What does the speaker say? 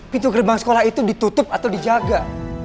pintu gerbang sekolah itu ditutup atau dijaga